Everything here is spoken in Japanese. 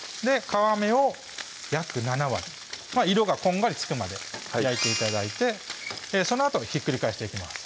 皮目を約７割色がこんがりつくまで焼いて頂いてそのあとひっくり返していきます